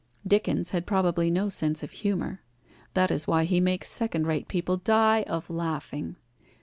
Dickens had probably no sense of humour. That is why he makes second rate people die of laughing.